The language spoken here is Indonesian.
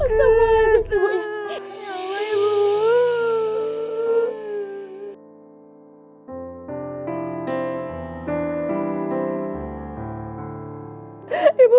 ya allah ibu